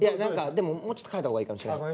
でももうちょっと変えたほうがいいかもしれない。